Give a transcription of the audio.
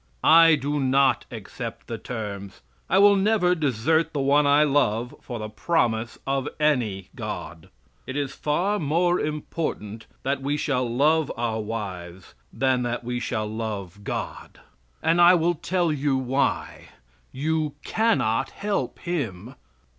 I do not accept the terms. I will never desert the one I love for the promise of any God. It is far more important that we shall love our wives than that we shall love God. And I will tell you why you cannot help Him.